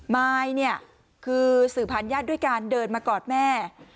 มายเนี่ยคือสื่อผ่านญาติด้วยการเดินมากอดแม่